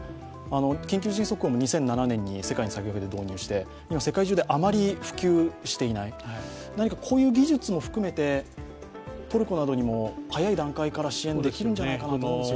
緊急地震速報も２００７年に世界に先駆けて導入して、今、世界中であまり普及していない、何かこういう技術も含めて、トルコなどにも早い段階から支援できるのではないかと思いますが。